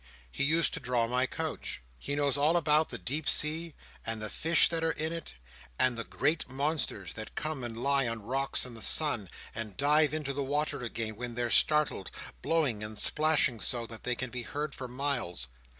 "He used to draw my couch. He knows all about the deep sea, and the fish that are in it, and the great monsters that come and lie on rocks in the sun, and dive into the water again when they're startled, blowing and splashing so, that they can be heard for miles.